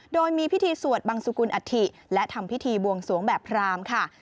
โดยมีพิธีสวดบังสุกุลอัฐิและทำพิธีบวงสวงแบบพรามค่ะ